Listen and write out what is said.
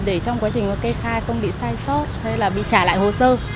để trong quá trình kê khai không bị sai sót hay là bị trả lại hồ sơ